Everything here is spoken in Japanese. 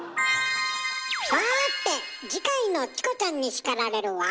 さて次回の「チコちゃんに叱られる」は？